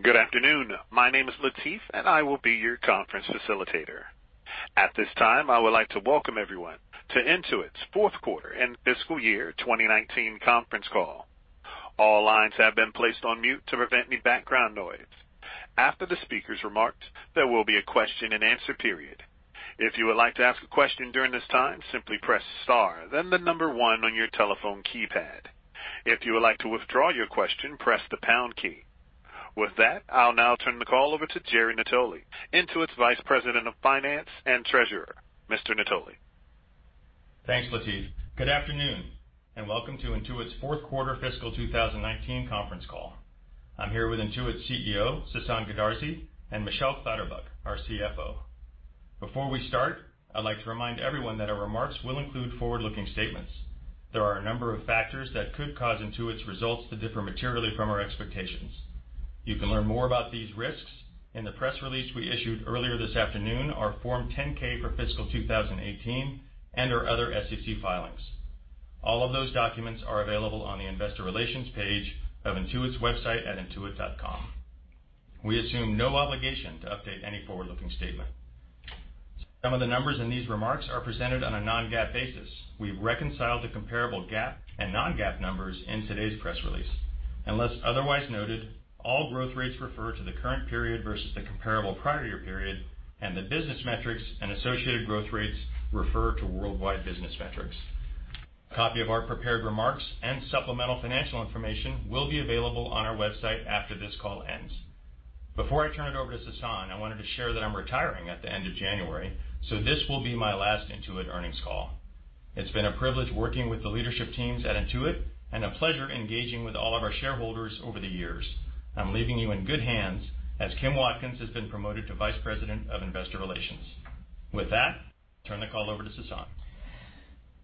Good afternoon. My name is Latif, and I will be your conference facilitator. At this time, I would like to welcome everyone to Intuit's fourth quarter and fiscal year 2019 conference call. All lines have been placed on mute to prevent any background noise. After the speakers remarked, there will be a question and answer period. If you would like to ask a question during this time, simply press star then the number one on your telephone keypad. If you would like to withdraw your question, press the pound key. With that, I'll now turn the call over to Jerry Natoli, Intuit's Vice President of Finance and Treasurer. Mr. Natoli. Thanks, Latif. Good afternoon, welcome to Intuit's fourth quarter fiscal 2019 conference call. I'm here with Intuit's CEO, Sasan Goodarzi, and Michelle Clatterbuck, our CFO. Before we start, I'd like to remind everyone that our remarks will include forward-looking statements. There are a number of factors that could cause Intuit's results to differ materially from our expectations. You can learn more about these risks in the press release we issued earlier this afternoon, our Form 10-K for fiscal 2018, and our other SEC filings. All of those documents are available on the investor relations page of Intuit's website at intuit.com. We assume no obligation to update any forward-looking statement. Some of the numbers in these remarks are presented on a non-GAAP basis. We've reconciled the comparable GAAP and non-GAAP numbers in today's press release. Unless otherwise noted, all growth rates refer to the current period versus the comparable prior year period, and the business metrics and associated growth rates refer to worldwide business metrics. A copy of our prepared remarks and supplemental financial information will be available on our website after this call ends. Before I turn it over to Sasan, I wanted to share that I'm retiring at the end of January, so this will be my last Intuit earnings call. It's been a privilege working with the leadership teams at Intuit and a pleasure engaging with all of our shareholders over the years. I'm leaving you in good hands as Kim Watkins has been promoted to Vice President of Investor Relations. With that, turn the call over to Sasan.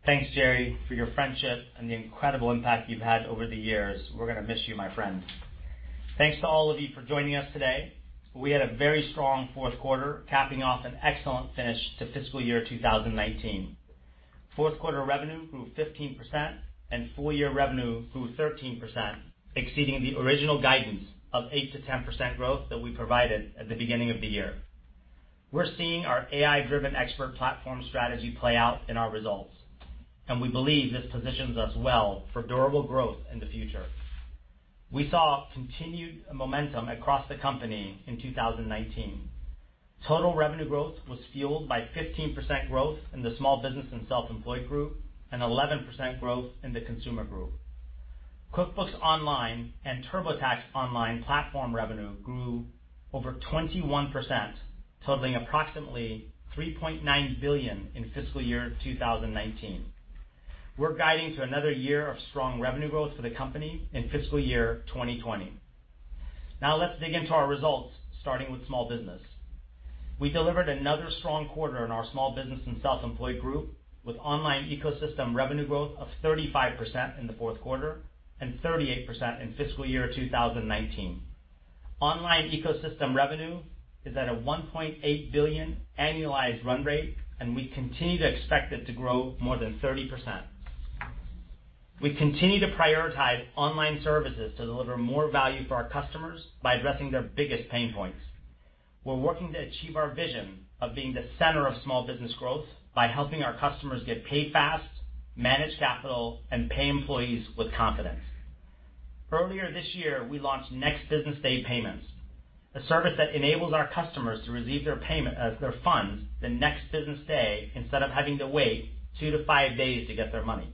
Thanks, Jerry, for your friendship and the incredible impact you've had over the years. We're gonna miss you, my friend. Thanks to all of you for joining us today. We had a very strong fourth quarter, capping off an excellent finish to fiscal year 2019. Fourth quarter revenue grew 15%, and full-year revenue grew 13%, exceeding the original guidance of 8%-10% growth that we provided at the beginning of the year. We're seeing our AI-driven expert platform strategy play out in our results, and we believe this positions us well for durable growth in the future. We saw continued momentum across the company in 2019. Total revenue growth was fueled by 15% growth in the small business and self-employed group and 11% growth in the consumer group. QuickBooks Online and TurboTax online platform revenue grew over 21%, totaling approximately $3.9 billion in fiscal year 2019. We're guiding to another year of strong revenue growth for the company in fiscal year 2020. Let's dig into our results, starting with small business. We delivered another strong quarter in our small business and self-employed group with online ecosystem revenue growth of 35% in the fourth quarter and 38% in fiscal year 2019. Online ecosystem revenue is at a $1.8 billion annualized run rate. We continue to expect it to grow more than 30%. We continue to prioritize online services to deliver more value for our customers by addressing their biggest pain points. We're working to achieve our vision of being the center of small business growth by helping our customers get paid fast, manage capital, and pay employees with confidence. Earlier this year, we launched Next Business Day Payments, a service that enables our customers to receive their payment as their funds the next business day instead of having to wait two to five days to get their money.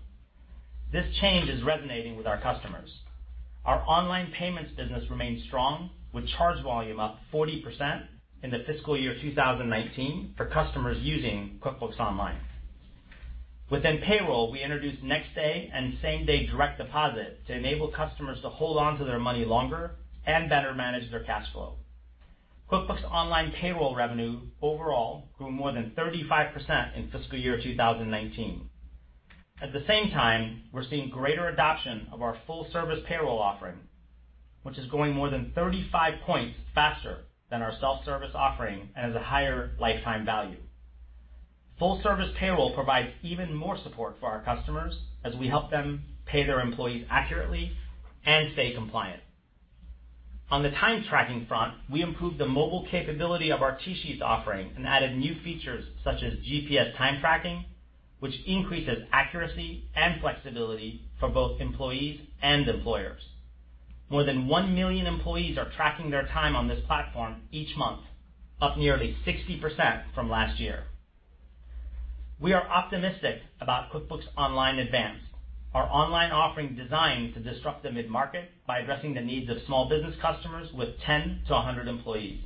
This change is resonating with our customers. Our online payments business remains strong, with charge volume up 40% in the fiscal year 2019 for customers using QuickBooks Online. Within payroll, we introduced next day and same day direct deposit to enable customers to hold on to their money longer and better manage their cash flow. QuickBooks Online payroll revenue overall grew more than 35% in fiscal year 2019. At the same time, we're seeing greater adoption of our full service payroll offering, which is growing more than 35 points faster than our self-service offering and has a higher lifetime value. Full service payroll provides even more support for our customers as we help them pay their employees accurately and stay compliant. On the time tracking front, we improved the mobile capability of our TSheets offering and added new features such as GPS time tracking, which increases accuracy and flexibility for both employees and employers. More than 1 million employees are tracking their time on this platform each month, up nearly 60% from last year. We are optimistic about QuickBooks Online Advanced, our online offering designed to disrupt the mid-market by addressing the needs of small business customers with 10 to 100 employees.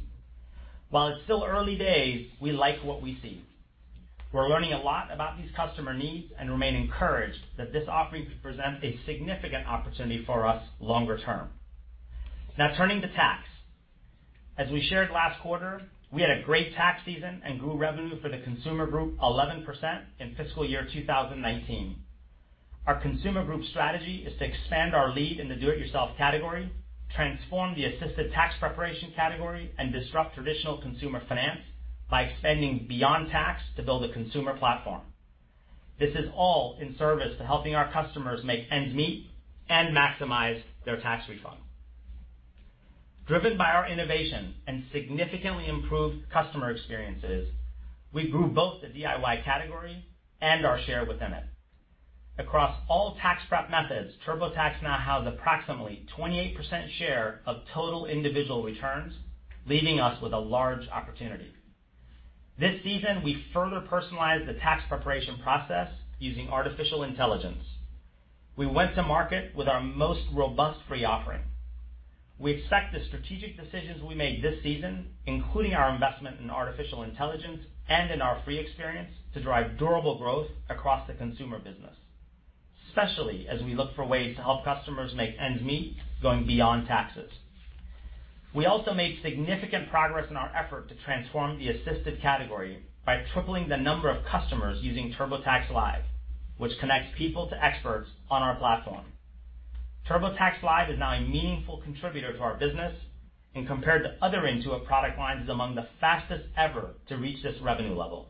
While it's still early days, we like what we see. We're learning a lot about these customer needs and remain encouraged that this offering could present a significant opportunity for us longer term. Now turning to tax. As we shared last quarter, we had a great tax season and grew revenue for the consumer group 11% in fiscal year 2019. Our consumer group strategy is to expand our lead in the do-it-yourself category, transform the assisted tax preparation category, and disrupt traditional consumer finance by expanding beyond tax to build a consumer platform. This is all in service to helping our customers make ends meet and maximize their tax refund. Driven by our innovation and significantly improved customer experiences, we grew both the DIY category and our share within it. Across all tax prep methods, TurboTax now has approximately 28% share of total individual returns, leaving us with a large opportunity. This season, we further personalized the tax preparation process using artificial intelligence. We went to market with our most robust free offering. We expect the strategic decisions we made this season, including our investment in artificial intelligence and in our free experience, to drive durable growth across the consumer business, especially as we look for ways to help customers make ends meet, going beyond taxes. We also made significant progress in our effort to transform the assisted category by tripling the number of customers using TurboTax Live, which connects people to experts on our platform. TurboTax Live is now a meaningful contributor to our business, and compared to other Intuit product lines, is among the fastest ever to reach this revenue level.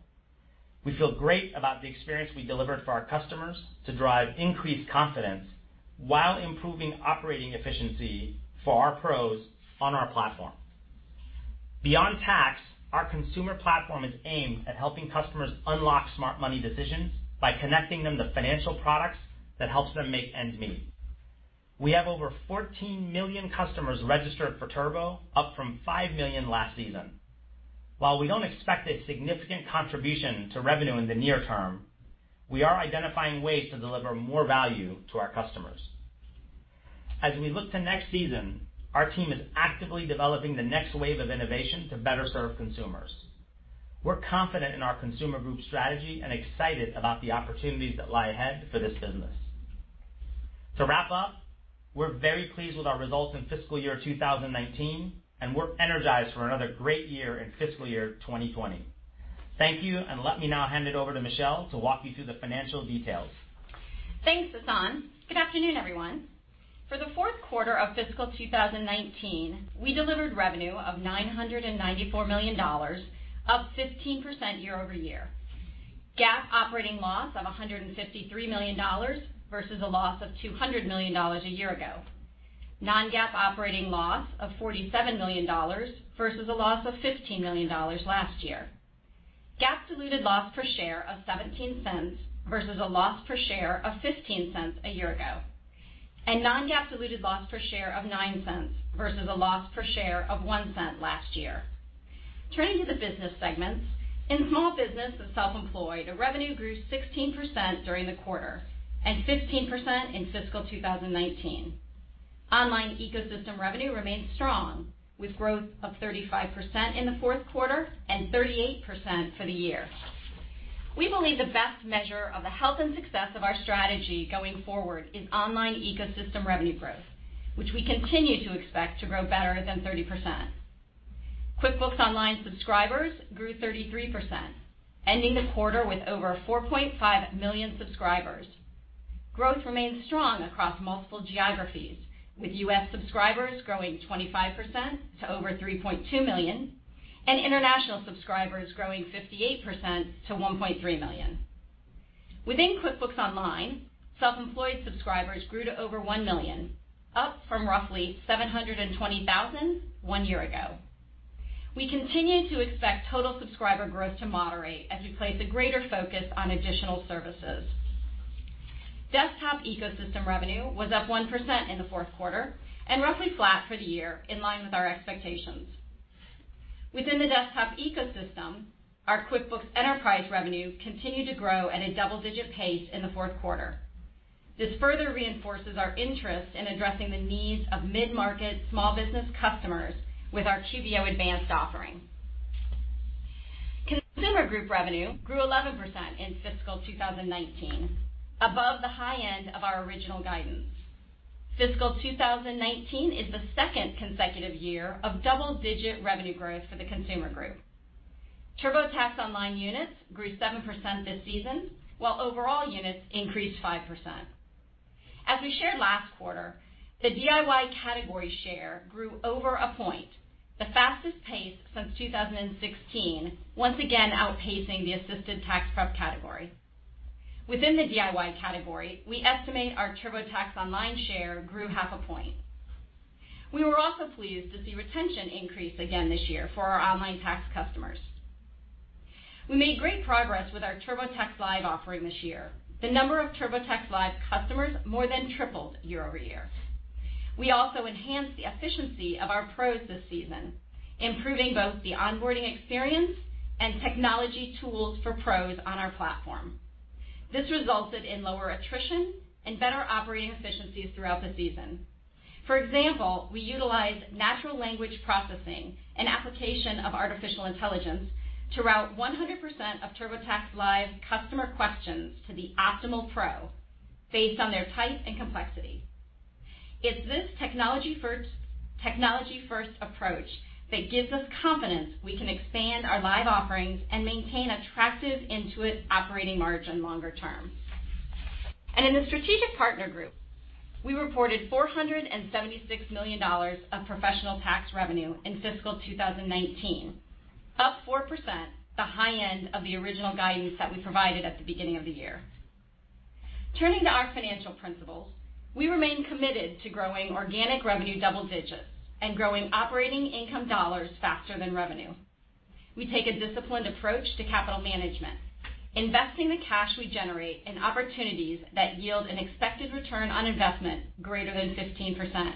We feel great about the experience we delivered for our customers to drive increased confidence while improving operating efficiency for our pros on our platform. Beyond tax, our consumer platform is aimed at helping customers unlock smart money decisions by connecting them to financial products that helps them make ends meet. We have over 14 million customers registered for Turbo, up from 5 million last season. While we don't expect a significant contribution to revenue in the near term, we are identifying ways to deliver more value to our customers. As we look to next season, our team is actively developing the next wave of innovation to better serve consumers. We're confident in our consumer group strategy and excited about the opportunities that lie ahead for this business. To wrap up, we're very pleased with our results in fiscal year 2019, and we're energized for another great year in fiscal year 2020. Thank you. Let me now hand it over to Michelle to walk you through the financial details. Thanks, Sasan. Good afternoon, everyone. For the fourth quarter of fiscal 2019, we delivered revenue of $994 million, up 15% year-over-year. GAAP operating loss of $153 million versus a loss of $200 million a year ago. Non-GAAP operating loss of $47 million versus a loss of $15 million last year. GAAP diluted loss per share of $0.17 versus a loss per share of $0.15 a year ago. Non-GAAP diluted loss per share of $0.09 versus a loss per share of $0.01 last year. Turning to the business segments. In small business and self-employed, our revenue grew 16% during the quarter, and 15% in fiscal 2019. Online ecosystem revenue remained strong, with growth of 35% in the fourth quarter and 38% for the year. We believe the best measure of the health and success of our strategy going forward is online ecosystem revenue growth, which we continue to expect to grow better than 30%. QuickBooks Online subscribers grew 33%, ending the quarter with over 4.5 million subscribers. Growth remains strong across multiple geographies, with U.S. subscribers growing 25% to over 3.2 million, and international subscribers growing 58% to 1.3 million. Within QuickBooks Online, self-employed subscribers grew to over 1 million, up from roughly 720,000 one year ago. We continue to expect total subscriber growth to moderate as we place a greater focus on additional services. Desktop ecosystem revenue was up 1% in the fourth quarter and roughly flat for the year, in line with our expectations. Within the desktop ecosystem, our QuickBooks Enterprise revenue continued to grow at a double-digit pace in the fourth quarter. This further reinforces our interest in addressing the needs of mid-market small business customers with our QBO Advanced offering. Consumer Group revenue grew 11% in fiscal 2019, above the high end of our original guidance. Fiscal 2019 is the second consecutive year of double-digit revenue growth for the Consumer Group. TurboTax Online units grew 7% this season, while overall units increased 5%. As we shared last quarter, the DIY category share grew over one point, the fastest pace since 2016, once again outpacing the assisted tax prep category. Within the DIY category, we estimate our TurboTax Online share grew half a point. We were also pleased to see retention increase again this year for our online tax customers. We made great progress with our TurboTax Live offering this year. The number of TurboTax Live customers more than tripled year-over-year. We also enhanced the efficiency of our pros this season, improving both the onboarding experience and technology tools for pros on our platform. This resulted in lower attrition and better operating efficiencies throughout the season. For example, we utilized natural language processing, an application of artificial intelligence, to route 100% of TurboTax Live customer questions to the optimal pro based on their type and complexity. It's this technology-first approach that gives us confidence we can expand our Live offerings and maintain attractive Intuit operating margin longer term. In the strategic partner group, we reported $476 million of professional tax revenue in fiscal 2019, up 4%, the high end of the original guidance that we provided at the beginning of the year. Turning to our financial principles, we remain committed to growing organic revenue double digits and growing operating income dollars faster than revenue. We take a disciplined approach to capital management, investing the cash we generate in opportunities that yield an expected return on investment greater than 15%.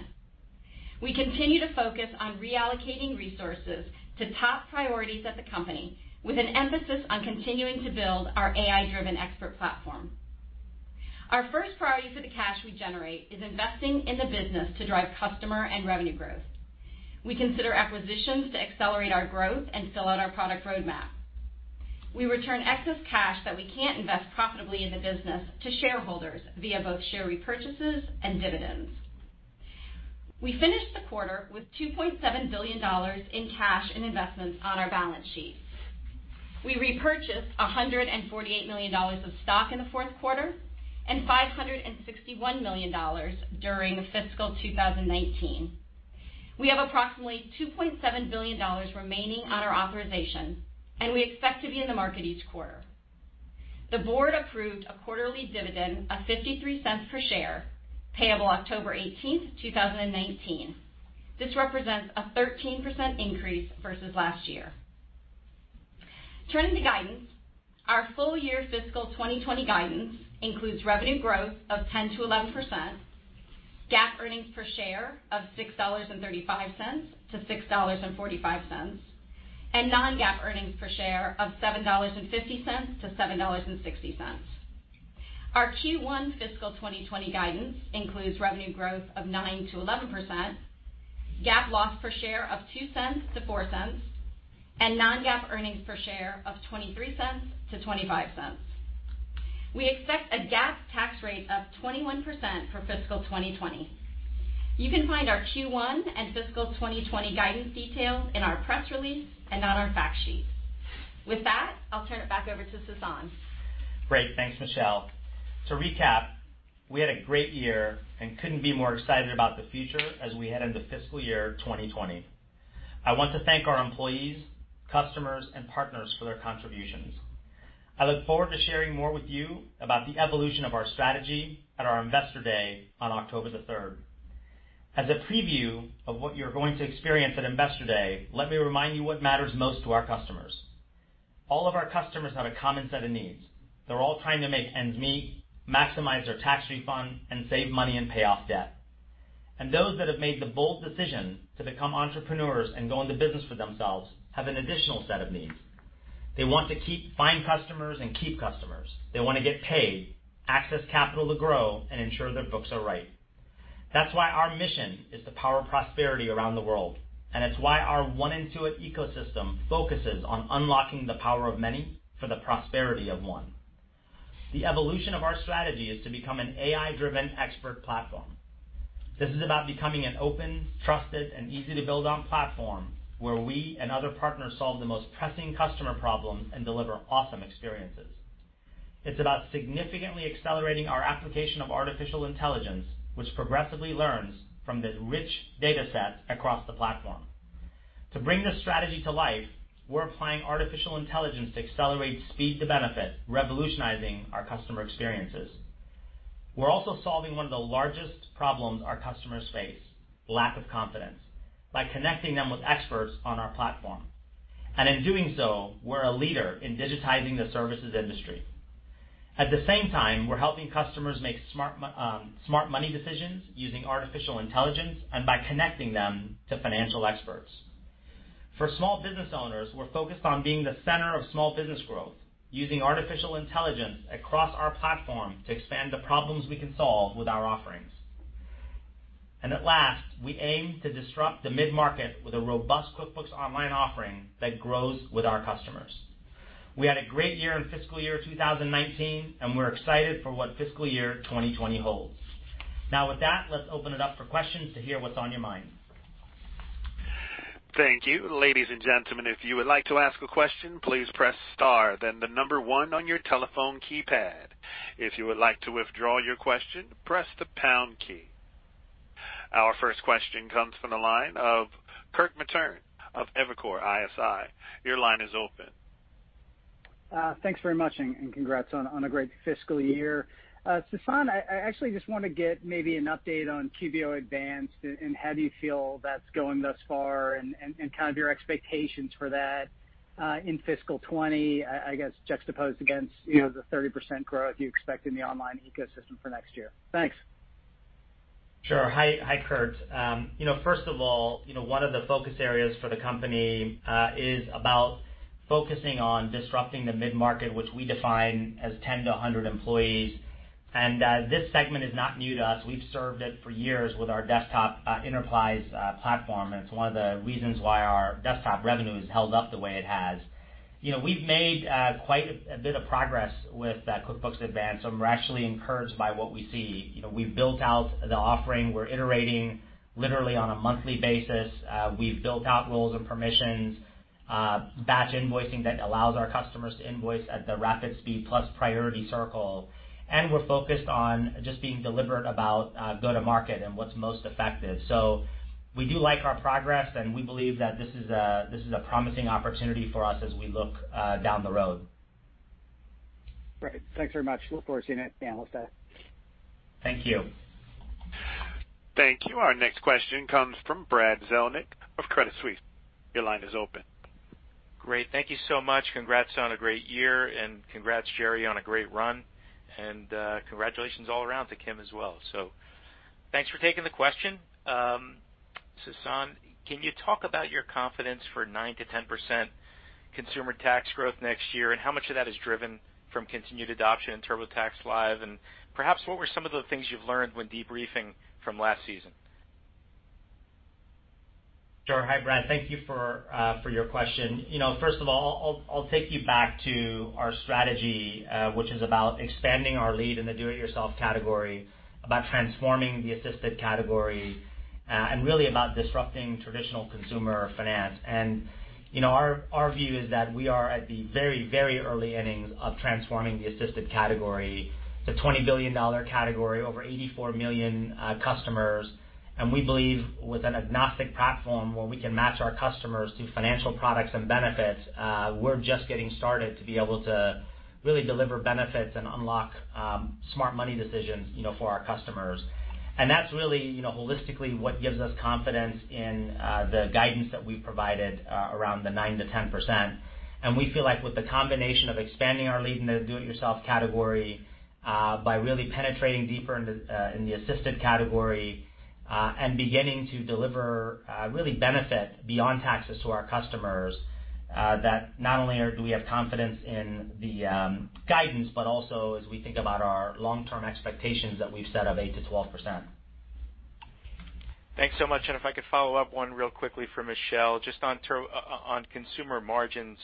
We continue to focus on reallocating resources to top priorities at the company, with an emphasis on continuing to build our AI-driven expert platform. Our first priority for the cash we generate is investing in the business to drive customer and revenue growth. We consider acquisitions to accelerate our growth and fill out our product roadmap. We return excess cash that we can't invest profitably in the business to shareholders via both share repurchases and dividends. We finished the quarter with $2.7 billion in cash and investments on our balance sheet. We repurchased $148 million of stock in the fourth quarter and $561 million during fiscal 2019. We have approximately $2.7 billion remaining on our authorization, and we expect to be in the market each quarter. The board approved a quarterly dividend of $0.53 per share, payable October 18th, 2019. This represents a 13% increase versus last year. Turning to guidance, our full-year fiscal 2020 guidance includes revenue growth of 10%-11%, GAAP earnings per share of $6.35-$6.45, and non-GAAP earnings per share of $7.50-$7.60. Our Q1 fiscal 2020 guidance includes revenue growth of 9%-11%, GAAP loss per share of $0.02-$0.04, and non-GAAP earnings per share of $0.23-$0.25. We expect a GAAP tax rate of 21% for fiscal 2020. You can find our Q1 and fiscal 2020 guidance details in our press release and on our fact sheet. With that, I'll turn it back over to Sasan. Great. Thanks, Michelle. To recap, we had a great year and couldn't be more excited about the future as we head into fiscal year 2020. I want to thank our employees, customers, and partners for their contributions. I look forward to sharing more with you about the evolution of our strategy at our Investor Day on October 3rd. As a preview of what you're going to experience at Investor Day, let me remind you what matters most to our customers. All of our customers have a common set of needs. They're all trying to make ends meet, maximize their tax refund, and save money and pay off debt. Those that have made the bold decision to become entrepreneurs and go into business for themselves have an additional set of needs. They want to find customers and keep customers. They want to get paid, access capital to grow, and ensure their books are right. That's why our mission is to power prosperity around the world, and it's why our one Intuit ecosystem focuses on unlocking the power of many for the prosperity of one. The evolution of our strategy is to become an AI-driven expert platform. This is about becoming an open, trusted, and easy-to-build-on platform where we and other partners solve the most pressing customer problems and deliver awesome experiences. It's about significantly accelerating our application of artificial intelligence, which progressively learns from the rich data sets across the platform. To bring this strategy to life, we're applying artificial intelligence to accelerate speed to benefit, revolutionizing our customer experiences. We're also solving one of the largest problems our customers face, lack of confidence, by connecting them with experts on our platform. In doing so, we're a leader in digitizing the services industry. At the same time, we're helping customers make smart money decisions using artificial intelligence and by connecting them to financial experts. For small business owners, we're focused on being the center of small business growth, using artificial intelligence across our platform to expand the problems we can solve with our offerings. At last, we aim to disrupt the mid-market with a robust QuickBooks Online offering that grows with our customers. We had a great year in fiscal year 2019, and we're excited for what fiscal year 2020 holds. With that, let's open it up for questions to hear what's on your mind. Thank you. Ladies and gentlemen, if you would like to ask a question, please press star then the number one on your telephone keypad. If you would like to withdraw your question, press the pound key. Our first question comes from the line of Kirk Materne of Evercore ISI. Your line is open. Thanks very much, and congrats on a great fiscal year. Sasan, I actually just want to get maybe an update on QBO Advanced and how do you feel that's going thus far and kind of your expectations for that, in fiscal 2020, I guess juxtaposed against the 30% growth you expect in the online ecosystem for next year. Thanks. Sure. Hi, Kirk. First of all, one of the focus areas for the company is about focusing on disrupting the mid-market, which we define as 10 to 100 employees. This segment is not new to us. We've served it for years with our desktop Enterprise platform, and it's one of the reasons why our desktop revenue has held up the way it has. We've made quite a bit of progress with QuickBooks Online Advanced, and we're actually encouraged by what we see. We've built out the offering. We're iterating literally on a monthly basis. We've built out roles and permissionsBatch invoicing that allows our customers to invoice at the rapid speed plus Priority Circle. We're focused on just being deliberate about go to market and what's most effective. We do like our progress, and we believe that this is a promising opportunity for us as we look down the road. Great. Thanks very much. Look forward to seeing it, analyst day. Thank you. Thank you. Our next question comes from Brad Zelnick of Credit Suisse. Your line is open. Great. Thank you so much. Congrats on a great year, and congrats, Jerry, on a great run, and congratulations all around to Kim as well. Thanks for taking the question. Sasan, can you talk about your confidence for 9% to 10% consumer tax growth next year, and how much of that is driven from continued adoption in TurboTax Live? Perhaps what were some of the things you've learned when debriefing from last season? Sure. Hi, Brad. Thank you for your question. First of all, I'll take you back to our strategy, which is about expanding our lead in the do-it-yourself category, about transforming the assisted category, and really about disrupting traditional consumer finance. Our view is that we are at the very early innings of transforming the assisted category. It's a $20 billion category, over 84 million customers. We believe with an agnostic platform where we can match our customers to financial products and benefits, we're just getting started to be able to really deliver benefits and unlock smart money decisions for our customers. That's really holistically what gives us confidence in the guidance that we've provided around the 9%-10%. We feel like with the combination of expanding our lead in the do-it-yourself category, by really penetrating deeper in the assisted category, and beginning to deliver really benefit beyond taxes to our customers, that not only do we have confidence in the guidance, but also as we think about our long-term expectations that we've set of 8%-12%. Thanks so much. If I could follow up one real quickly for Michelle, just on consumer margins.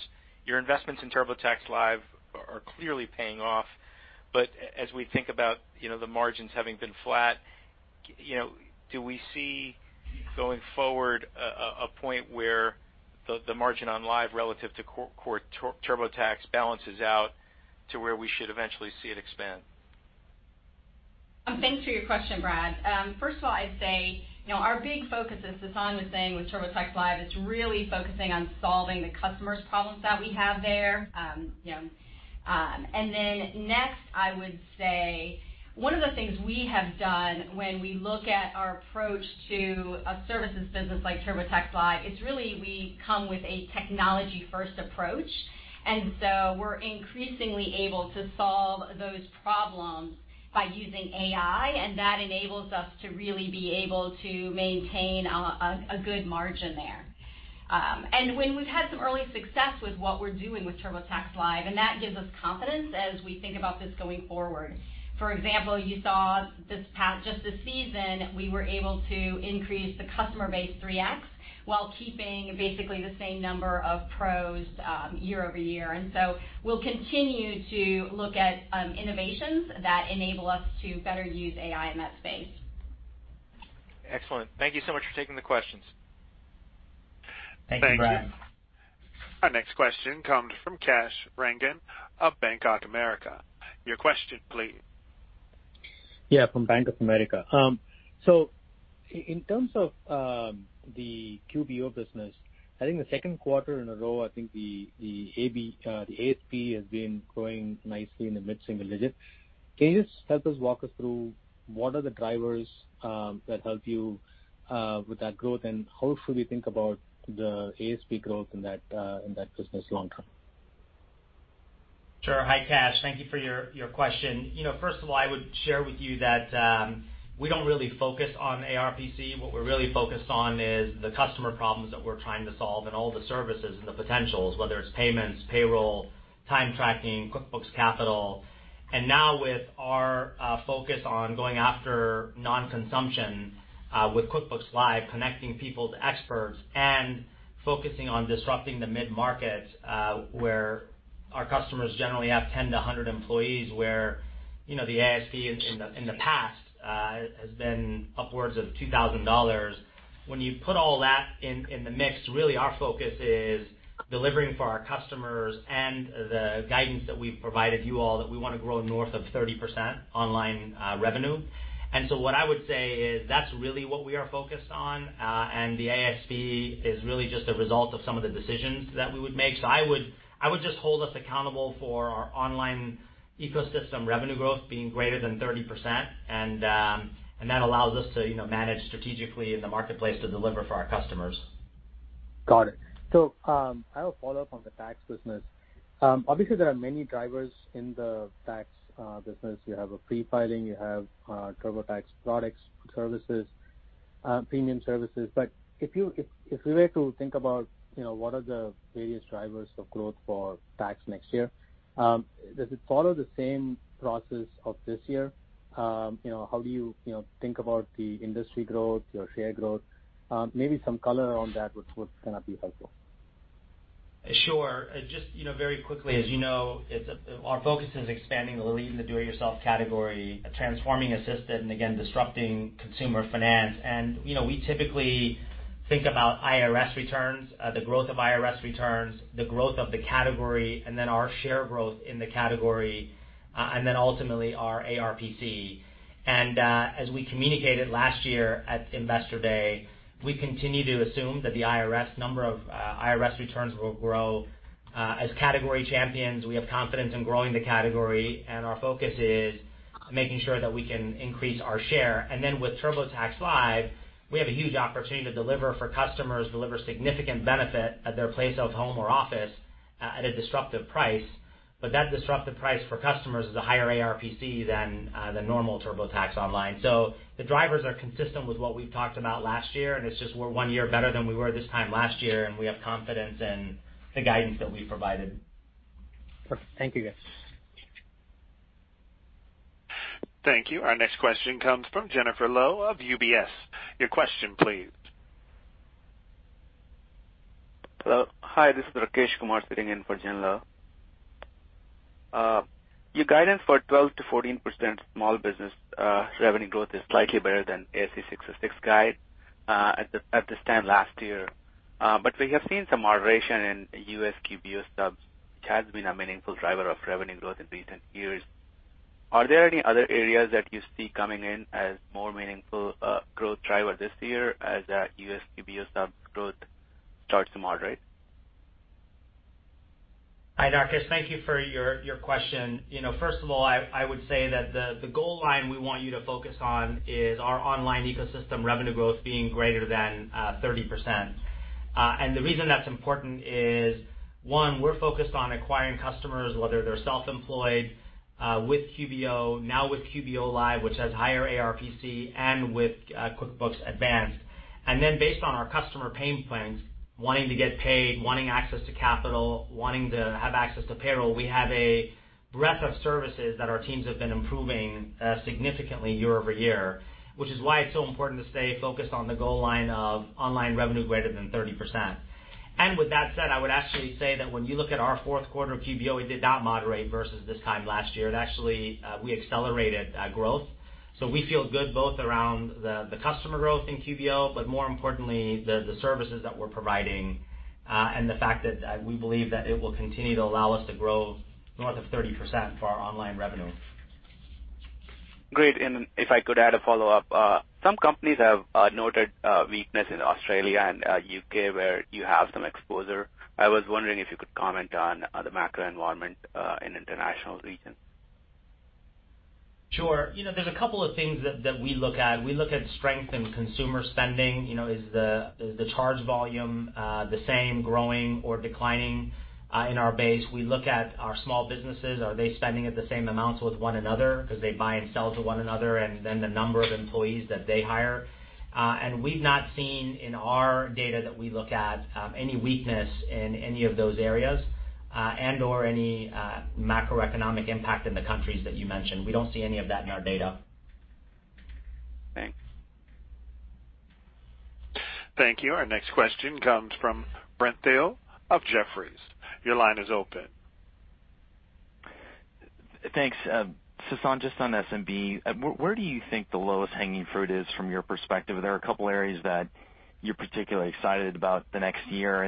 Your investments in TurboTax Live are clearly paying off. As we think about the margins having been flat, do we see going forward a point where the margin on Live relative to core TurboTax balances out to where we should eventually see it expand? Thanks for your question, Brad. First of all, I'd say our big focus, as Sasan was saying with TurboTax Live, is really focusing on solving the customer's problems that we have there. Next, I would say one of the things we have done when we look at our approach to a services business like TurboTax Live, it's really we come with a technology-first approach. We're increasingly able to solve those problems by using AI, and that enables us to really be able to maintain a good margin there. When we've had some early success with what we're doing with TurboTax Live, that gives us confidence as we think about this going forward. For example, you saw just this season, we were able to increase the customer base 3x while keeping basically the same number of pros year-over-year. We'll continue to look at innovations that enable us to better use AI in that space. Excellent. Thank you so much for taking the questions. Thank you, Brad. Thank you. Our next question comes from Kash Rangan of Bank of America. Your question please. Yeah, from Bank of America. In terms of the QBO business, I think the second quarter in a row, I think the ASP has been growing nicely in the mid-single digits. Can you just help us walk us through what are the drivers that help you with that growth, and how should we think about the ASP growth in that business long term? Sure. Hi, Kash. Thank you for your question. First of all, I would share with you that we don't really focus on ARPC. What we're really focused on is the customer problems that we're trying to solve and all the services and the potentials, whether it's payments, payroll, time tracking, QuickBooks Capital. Now with our focus on going after non-consumption, with QuickBooks Live, connecting people to experts and focusing on disrupting the mid-markets, where our customers generally have 10 to 100 employees, where the ASP in the past has been upwards of $2,000. When you put all that in the mix, really our focus is delivering for our customers and the guidance that we've provided you all that we want to grow north of 30% online revenue. What I would say is that's really what we are focused on. The ASP is really just a result of some of the decisions that we would make. I would just hold us accountable for our online ecosystem revenue growth being greater than 30%, and that allows us to manage strategically in the marketplace to deliver for our customers. Got it. I have a follow-up on the tax business. Obviously, there are many drivers in the tax business. You have a free filing, you have TurboTax products, services, premium services. If we were to think about what are the various drivers of growth for tax next year, does it follow the same process of this year? How do you think about the industry growth, your share growth? Maybe some color on that would kind of be helpful. Sure. Just very quickly, as you know, our focus is expanding the lead in the do-it-yourself category, transforming assisted, and again, disrupting consumer finance. We typically think about IRS returns, the growth of IRS returns, the growth of the category, and then our share growth in the category, and then ultimately our ARPC. As we communicated last year at Investor Day, we continue to assume that the number of IRS returns will grow. As category champions, we have confidence in growing the category, and our focus is making sure that we can increase our share. With TurboTax Live, we have a huge opportunity to deliver for customers, deliver significant benefit at their place of home or office at a disruptive price. That disruptive price for customers is a higher ARPC than the normal TurboTax Online. The drivers are consistent with what we've talked about last year, and it's just we're one year better than we were this time last year, and we have confidence in the guidance that we've provided. Perfect. Thank you, guys. Thank you. Our next question comes from Jennifer Lowe of UBS. Your question, please. Hello. Hi, this is Rakesh Kumar sitting in for Jen Lowe. Your guidance for 12%-14% small business revenue growth is slightly better than ASC 606 guide at this time last year. We have seen some moderation in U.S. QBO subs, which has been a meaningful driver of revenue growth in recent years. Are there any other areas that you see coming in as more meaningful growth driver this year as U.S. QBO sub growth starts to moderate? Hi, Rakesh. Thank you for your question. First of all, I would say that the goal line we want you to focus on is our online ecosystem revenue growth being greater than 30%. The reason that's important is, one, we're focused on acquiring customers, whether they're self-employed with QBO, now with QuickBooks Live, which has higher ARPC, and with QuickBooks Online Advanced. Based on our customer pain points, wanting to get paid, wanting access to capital, wanting to have access to payroll, we have a breadth of services that our teams have been improving significantly year-over-year, which is why it's so important to stay focused on the goal line of online revenue greater than 30%. With that said, I would actually say that when you look at our fourth quarter QBO, we did not moderate versus this time last year. Actually, we accelerated growth. We feel good both around the customer growth in QBO, but more importantly, the services that we're providing, and the fact that we believe that it will continue to allow us to grow north of 30% for our online revenue. Great. If I could add a follow-up. Some companies have noted weakness in Australia and U.K., where you have some exposure. I was wondering if you could comment on the macro environment in international regions. Sure. There's a couple of things that we look at. We look at strength in consumer spending. Is the charge volume the same, growing or declining in our base? We look at our small businesses. Are they spending at the same amounts with one another because they buy and sell to one another, and then the number of employees that they hire? We've not seen in our data that we look at any weakness in any of those areas and/or any macroeconomic impact in the countries that you mentioned. We don't see any of that in our data. Thanks. Thank you. Our next question comes from Brent Thill of Jefferies. Your line is open. Thanks. Sasan, just on SMB, where do you think the lowest hanging fruit is from your perspective? Are there a couple of areas that you're particularly excited about the next year?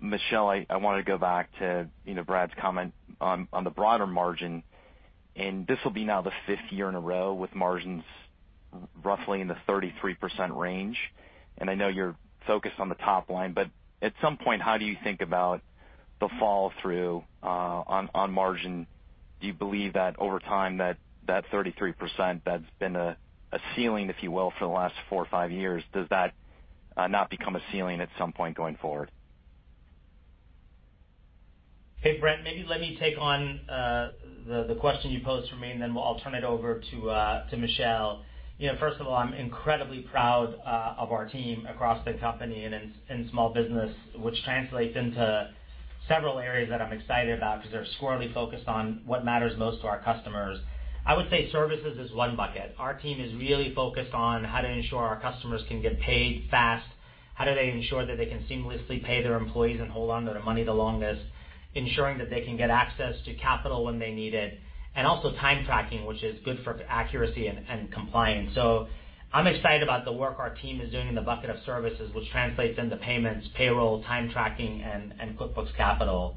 Michelle, I want to go back to Brad's comment on the broader margin, and this will be now the fifth year in a row with margins roughly in the 33% range. I know you're focused on the top line, but at some point, how do you think about the fall through on margin? Do you believe that over time that 33%, that's been a ceiling, if you will, for the last four or five years, does that not become a ceiling at some point going forward? Hey, Brent, maybe let me take on the question you posed for me, and then I'll turn it over to Michelle. First of all, I'm incredibly proud of our team across the company and in small business, which translates into several areas that I'm excited about because they're squarely focused on what matters most to our customers. I would say services is one bucket. Our team is really focused on how to ensure our customers can get paid fast, how do they ensure that they can seamlessly pay their employees and hold on to their money the longest, ensuring that they can get access to capital when they need it, and also time tracking, which is good for accuracy and compliance. I'm excited about the work our team is doing in the bucket of services, which translates into payments, payroll, time tracking, and QuickBooks Capital.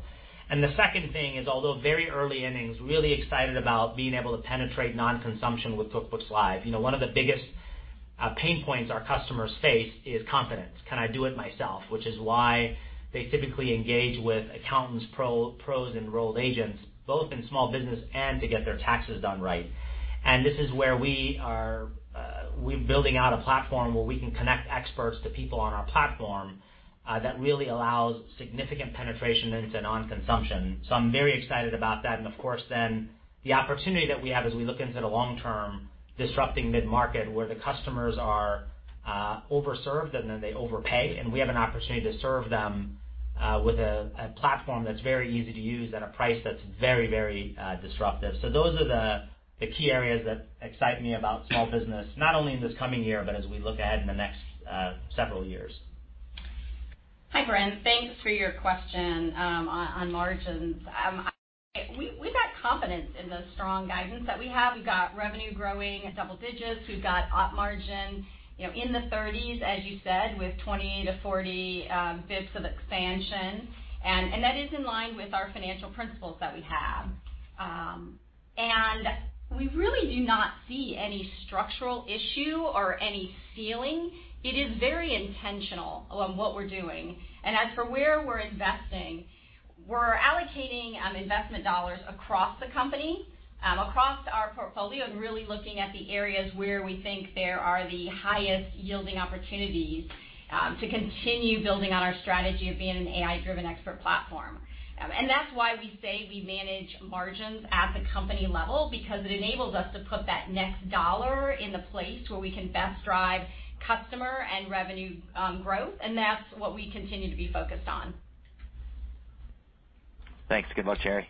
The second thing is, although very early innings, really excited about being able to penetrate non-consumption with QuickBooks Live. One of the biggest pain points our customers face is confidence. Can I do it myself? Which is why they typically engage with accountants, pros, and enrolled agents, both in small business and to get their taxes done right. This is where we're building out a platform where we can connect experts to people on our platform that really allows significant penetration into non-consumption. I'm very excited about that. Of course, the opportunity that we have as we look into the long term, disrupting mid-market, where the customers are over-served, and then they overpay, and we have an opportunity to serve them with a platform that's very easy to use at a price that's very disruptive. Those are the key areas that excite me about small business, not only in this coming year, but as we look ahead in the next several years. Hi, Brent. Thanks for your question on margins. We've got confidence in the strong guidance that we have. We've got revenue growing at double digits. We've got op margin in the 30s, as you said, with 20 to 40 basis points of expansion. That is in line with our financial principles that we have. We really do not see any structural issue or any ceiling. It is very intentional on what we're doing. As for where we're investing, we're allocating investment dollars across the company, across our portfolio, and really looking at the areas where we think there are the highest-yielding opportunities to continue building on our strategy of being an AI-driven expert platform. That's why we say we manage margins at the company level, because it enables us to put that next dollar in the place where we can best drive customer and revenue growth. That's what we continue to be focused on. Thanks. Good luck, Jerry.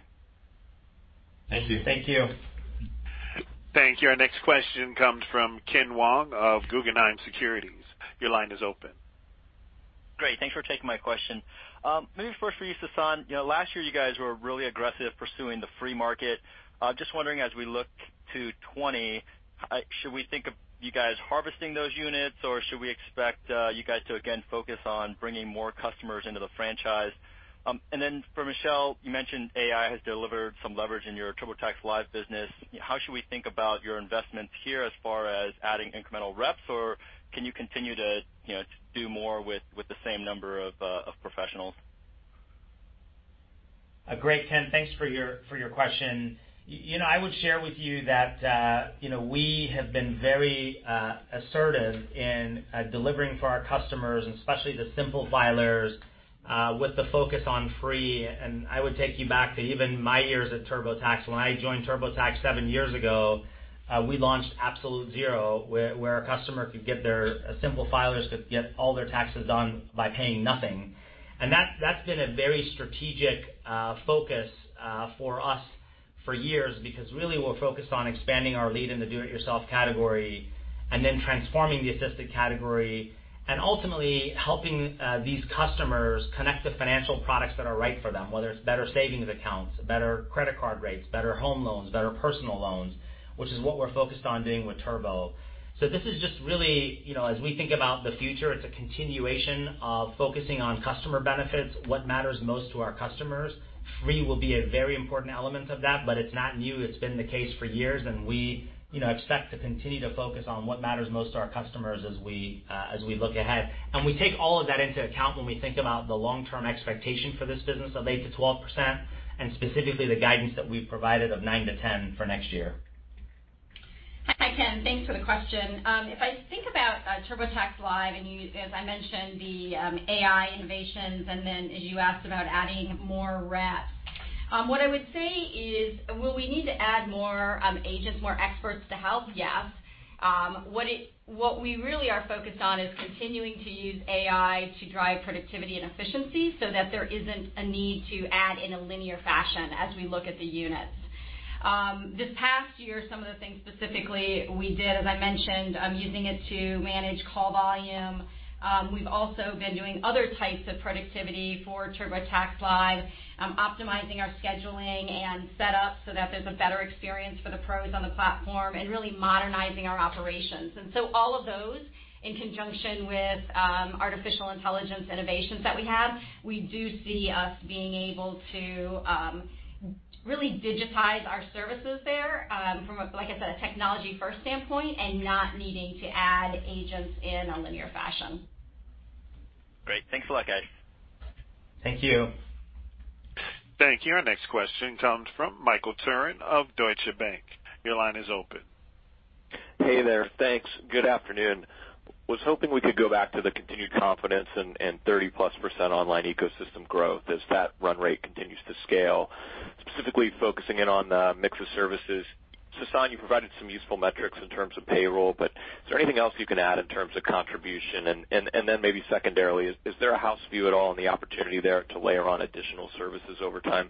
Thank you. Thank you. Thank you. Our next question comes from Kenneth Wong of Guggenheim Securities. Your line is open. Great. Thanks for taking my question. Maybe first for you, Sasan. Last year, you guys were really aggressive pursuing the free market. Just wondering, as we look to 2020, should we think of you guys harvesting those units, or should we expect you guys to again focus on bringing more customers into the franchise? Then for Michelle, you mentioned AI has delivered some leverage in your TurboTax Live business. How should we think about your investments here as far as adding incremental reps, or can you continue to do more with the same number of professionals? Great, Ken. Thanks for your question. I would share with you that we have been very assertive in delivering for our customers, and especially the simple filers, with the focus on free. I would take you back to even my years at TurboTax. When I joined TurboTax seven years ago, we launched Absolute Zero, where a simple filers could get all their taxes done by paying nothing. That's been a very strategic focus for us for years, because really, we're focused on expanding our lead in the do-it-yourself category and then transforming the assisted category. Ultimately, helping these customers connect the financial products that are right for them, whether it's better savings accounts, better credit card rates, better home loans, better personal loans, which is what we're focused on doing with Turbo. This is just really, as we think about the future, it's a continuation of focusing on customer benefits, what matters most to our customers. Free will be a very important element of that, but it's not new. It's been the case for years, we expect to continue to focus on what matters most to our customers as we look ahead. We take all of that into account when we think about the long-term expectation for this business of 8%-12%, and specifically the guidance that we've provided of 9%-10% for next year. Hi, Ken. Thanks for the question. If I think about TurboTax Live and, as I mentioned, the AI innovations, and then as you asked about adding more reps, what I would say is, will we need to add more agents, more experts to help? Yes. What we really are focused on is continuing to use AI to drive productivity and efficiency so that there isn't a need to add in a linear fashion as we look at the units. This past year, some of the things specifically we did, as I mentioned, using it to manage call volume. We've also been doing other types of productivity for TurboTax Live, optimizing our scheduling and set up so that there's a better experience for the pros on the platform, and really modernizing our operations. All of those, in conjunction with artificial intelligence innovations that we have, we do see us being able to really digitize our services there from a, like I said, a technology-first standpoint and not needing to add agents in a linear fashion. Great. Thanks a lot, guys. Thank you. Thank you. Our next question comes from Michael Turrin of Deutsche Bank. Your line is open. Hey there. Thanks. Good afternoon. Was hoping we could go back to the continued confidence in 30-plus% online ecosystem growth as that run rate continues to scale, specifically focusing in on the mix of services. Sasan, you provided some useful metrics in terms of payroll. Is there anything else you can add in terms of contribution? Maybe secondarily, is there a house view at all on the opportunity there to layer on additional services over time?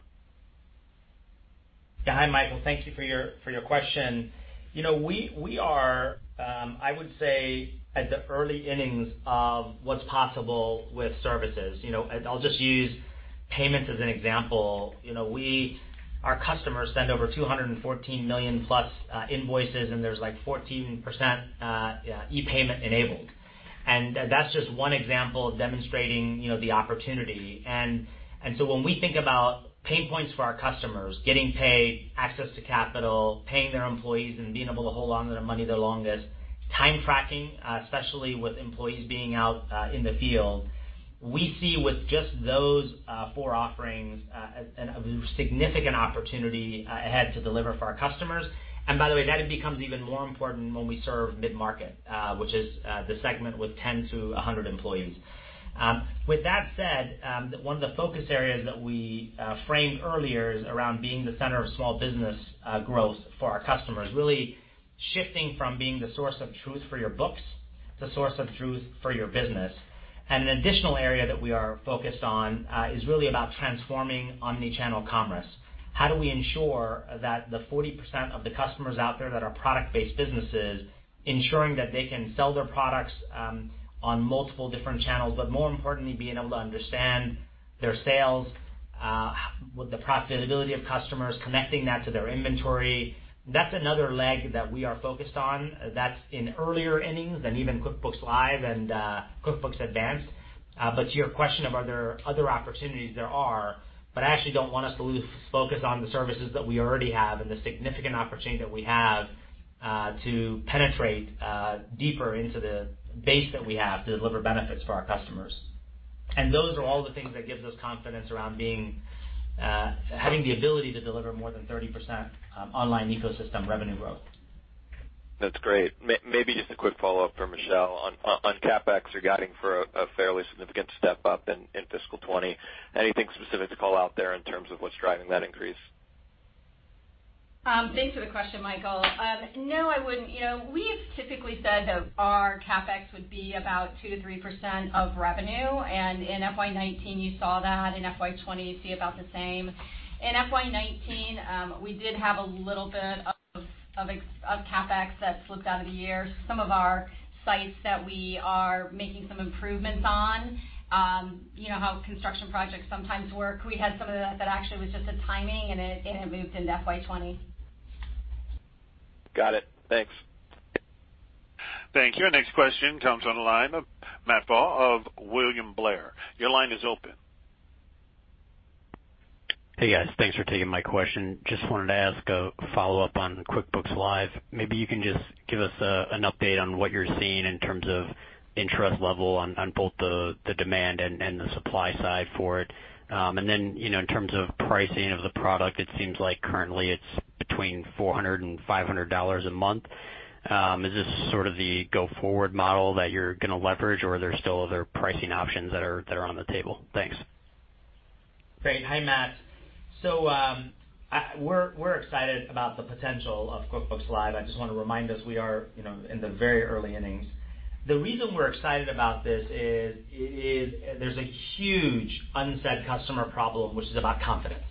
Yeah. Hi, Michael. Thank you for your question. We are, I would say, at the early innings of what's possible with services. I'll just use payments as an example. Our customers send over 214 million-plus invoices, and there's, like, 14% e-payment enabled. That's just one example of demonstrating the opportunity. When we think about pain points for our customers, getting paid, access to capital, paying their employees, and being able to hold on to their money the longest, time tracking, especially with employees being out in the field, we see with just those four offerings, a significant opportunity ahead to deliver for our customers. By the way, that it becomes even more important when we serve mid-market, which is the segment with 10-100 employees. With that said, one of the focus areas that we framed earlier is around being the center of small business growth for our customers, really shifting from being the source of truth for your books to source of truth for your business. An additional area that we are focused on is really about transforming omni-channel commerce. How do we ensure that the 40% of the customers out there that are product-based businesses, ensuring that they can sell their products on multiple different channels, but more importantly, being able to understand their sales with the profitability of customers connecting that to their inventory, that's another leg that we are focused on that's in earlier innings than even QuickBooks Live and QuickBooks Advanced. To your question of are there other opportunities? There are, but I actually don't want us to lose focus on the services that we already have and the significant opportunity that we have to penetrate deeper into the base that we have to deliver benefits for our customers. Those are all the things that give us confidence around having the ability to deliver more than 30% online ecosystem revenue growth. That's great. Maybe just a quick follow-up for Michelle on CapEx, you're guiding for a fairly significant step-up in fiscal 2020. Anything specific to call out there in terms of what's driving that increase? Thanks for the question, Michael. No, I wouldn't. We have typically said that our CapEx would be about 2%-3% of revenue, and in FY 2019, you saw that. In FY 2020, you see about the same. In FY 2019, we did have a little bit of CapEx that slipped out of the year. Some of our sites that we are making some improvements on, you know how construction projects sometimes work. We had some of that actually was just a timing, and it moved into FY 2020. Got it. Thanks. Thank you. Our next question comes on the line of Matthew Pfau of William Blair. Your line is open. Hey, guys. Thanks for taking my question. Just wanted to ask a follow-up on QuickBooks Live. Maybe you can just give us an update on what you're seeing in terms of interest level on both the demand and the supply side for it. In terms of pricing of the product, it seems like currently it's between $400 and $500 a month. Is this sort of the go-forward model that you're going to leverage, or are there still other pricing options that are on the table? Thanks. Great. Hi, Matt. We're excited about the potential of QuickBooks Live. I just want to remind us, we are in the very early innings. The reason we're excited about this is there's a huge unsaid customer problem, which is about confidence.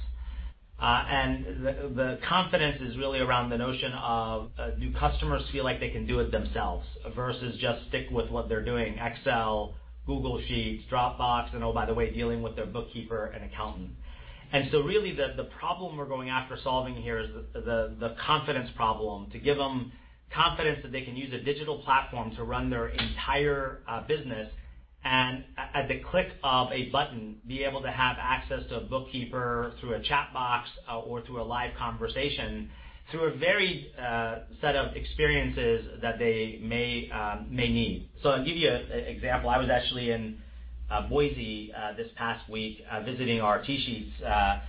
The confidence is really around the notion of do customers feel like they can do it themselves versus just stick with what they're doing, Excel, Google Sheets, Dropbox, and oh, by the way, dealing with their bookkeeper and accountant. Really the problem we're going after solving here is the confidence problem, to give them confidence that they can use a digital platform to run their entire business, and at the click of a button, be able to have access to a bookkeeper through a chat box or through a live conversation, through a varied set of experiences that they may need. I'll give you an example. I was actually in Boise this past week visiting our TSheets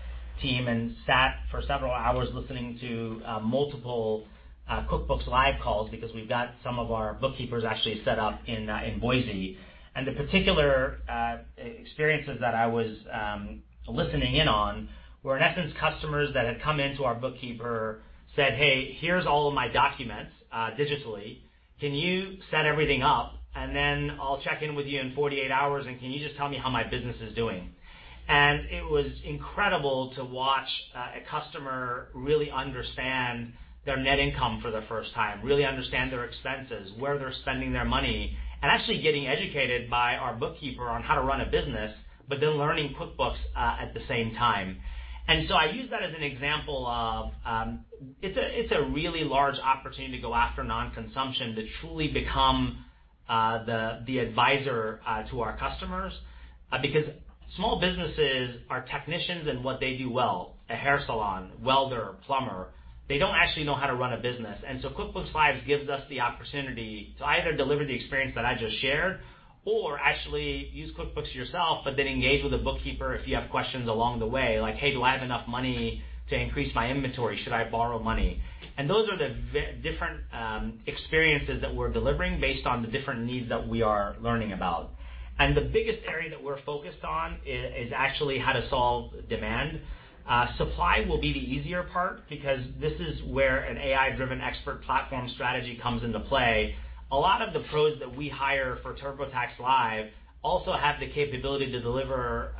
team and sat for several hours listening to multiple QuickBooks Live calls because we've got some of our bookkeepers actually set up in Boise. The particular experiences that I was listening in on were, in essence, customers that had come into our bookkeeper said, "Hey, here's all of my documents digitally. Can you set everything up, and then I'll check in with you in 48 hours, and can you just tell me how my business is doing?" It was incredible to watch a customer really understand their net income for the first time, really understand their expenses, where they're spending their money, and actually getting educated by our bookkeeper on how to run a business, but then learning QuickBooks at the same time. I use that as an example of it's a really large opportunity to go after non-consumption to truly become the advisor to our customers because small businesses are technicians in what they do well, a hair salon, welder, plumber. They don't actually know how to run a business. QuickBooks Live gives us the opportunity to either deliver the experience that I just shared or actually use QuickBooks yourself, but then engage with a bookkeeper if you have questions along the way, like, "Hey, do I have enough money to increase my inventory? Should I borrow money?" Those are the different experiences that we're delivering based on the different needs that we are learning about. The biggest area that we're focused on is actually how to solve demand. Supply will be the easier part because this is where an AI-driven expert platform strategy comes into play. A lot of the pros that we hire for TurboTax Live also have the capability to deliver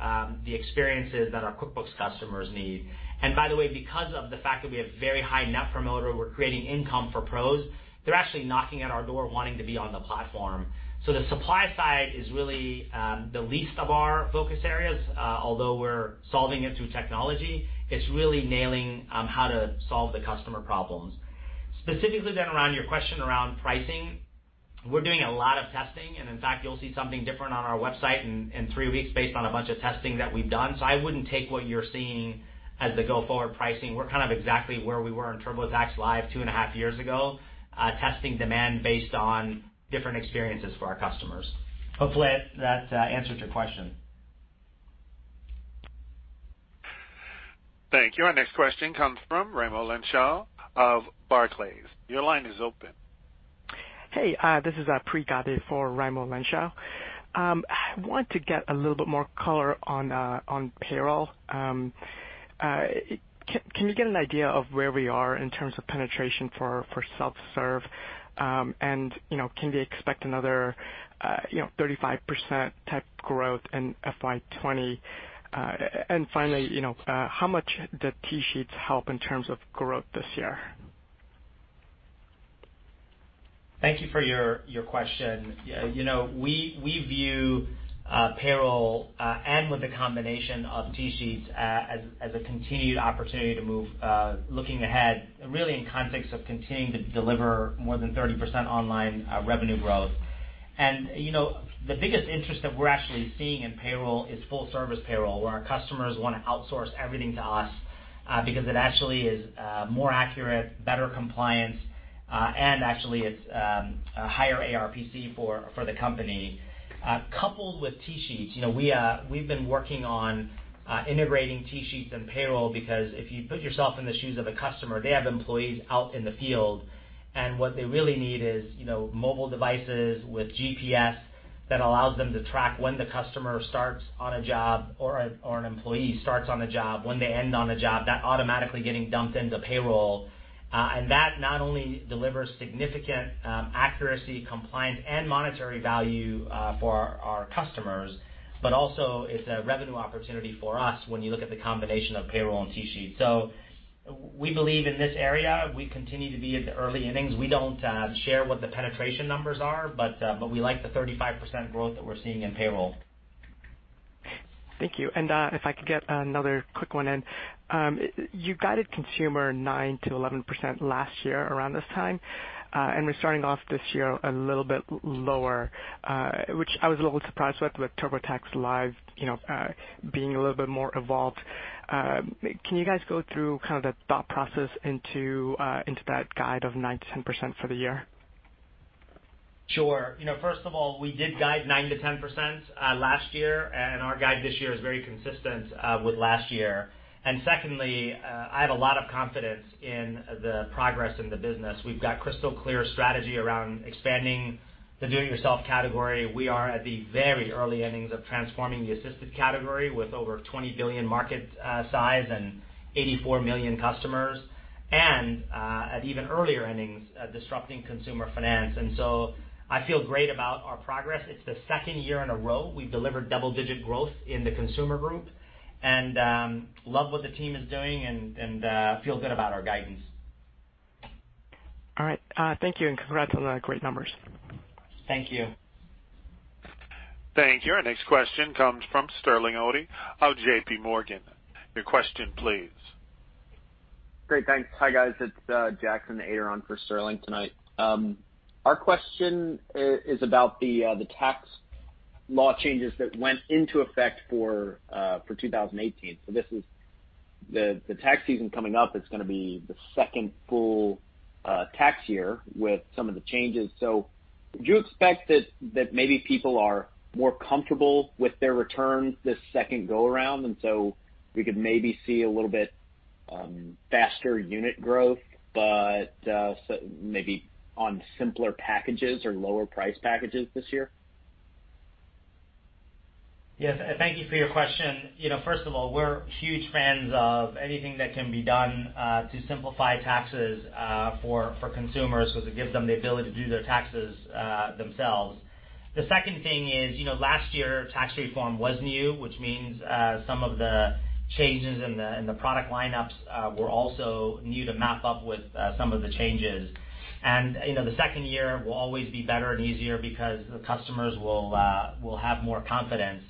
the experiences that our QuickBooks customers need. By the way, because of the fact that we have very high Net Promoter, we're creating income for pros. They're actually knocking at our door wanting to be on the platform. The supply side is really the least of our focus areas. Although we're solving it through technology, it's really nailing how to solve the customer problems. Specifically around your question around pricing, we're doing a lot of testing, and in fact, you'll see something different on our website in three weeks based on a bunch of testing that we've done. I wouldn't take what you're seeing as the go-forward pricing. We're kind of exactly where we were in TurboTax Live two and a half years ago, testing demand based on different experiences for our customers. Hopefully that answered your question. Thank you. Our next question comes from Raimo Lenschow of Barclays. Your line is open. Hey, this is Preetam Gadey for Raimo Lenschow. I want to get a little bit more color on payroll. Can we get an idea of where we are in terms of penetration for self-serve? Can we expect another 35% type growth in FY 2020? Finally, how much did TSheets help in terms of growth this year? Thank you for your question. We view payroll and with the combination of TSheets as a continued opportunity to move looking ahead, really in context of continuing to deliver more than 30% online revenue growth. The biggest interest that we're actually seeing in payroll is full service payroll, where our customers want to outsource everything to us because it actually is more accurate, better compliance, and actually it's a higher ARPC for the company. Coupled with TSheets, we've been working on integrating TSheets and payroll because if you put yourself in the shoes of a customer, they have employees out in the field, what they really need is mobile devices with GPS that allows them to track when the customer starts on a job or an employee starts on a job, when they end on a job, that automatically getting dumped into payroll. That not only delivers significant accuracy, compliance, and monetary value for our customers, but also is a revenue opportunity for us when you look at the combination of payroll and TSheets. We believe in this area, we continue to be at the early innings. We don't share what the penetration numbers are, but we like the 35% growth that we're seeing in payroll. Thank you. If I could get another quick one in. You guided consumer 9%-11% last year around this time, and we're starting off this year a little bit lower, which I was a little surprised with TurboTax Live being a little bit more evolved. Can you guys go through kind of the thought process into that guide of 9%-10% for the year? Sure. First of all, we did guide 9%-10% last year, and our guide this year is very consistent with last year. Secondly, I have a lot of confidence in the progress in the business. We've got crystal clear strategy around expanding the do it yourself category. We are at the very early innings of transforming the assisted category with over $20 billion market size and 84 million customers, and at even earlier innings, disrupting consumer finance. I feel great about our progress. It's the second year in a row we've delivered double-digit growth in the consumer group, and love what the team is doing and feel good about our guidance. All right. Thank you. Congrats on the great numbers. Thank you. Thank you. Our next question comes from Sterling Auty of JPMorgan. Your question, please. Great. Thanks. Hi, guys. It's Jackson Ader for Sterling tonight. Our question is about the tax law changes that went into effect for 2018. The tax season coming up is going to be the second full tax year with some of the changes. Would you expect that maybe people are more comfortable with their returns this second go-around, and so we could maybe see a little bit faster unit growth, but maybe on simpler packages or lower price packages this year? Yes. Thank you for your question. First of all, we're huge fans of anything that can be done to simplify taxes for consumers so it gives them the ability to do their taxes themselves. The second thing is, last year, tax reform was new, which means some of the changes in the product lineups were also new to map up with some of the changes. The second year will always be better and easier because the customers will have more confidence.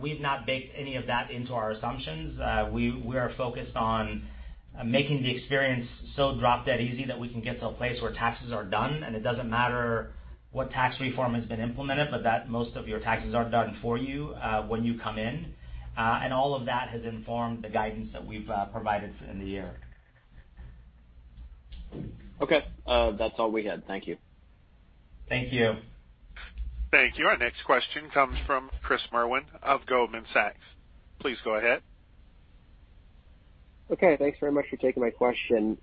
We've not baked any of that into our assumptions. We are focused on making the experience so drop-dead easy that we can get to a place where taxes are done, and it doesn't matter what tax reform has been implemented, but that most of your taxes are done for you when you come in. All of that has informed the guidance that we've provided in the year. Okay, that's all we had. Thank you. Thank you. Thank you. Our next question comes from Christopher Merwin of Goldman Sachs. Please go ahead. Thanks very much for taking my question.